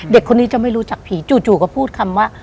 เด็กคนนี้จะไม่รู้จักผีจู่ก็พูดคำว่า